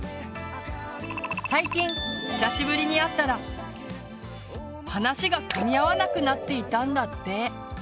最近久しぶりに会ったら話がかみ合わなくなっていたんだって。